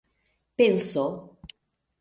penso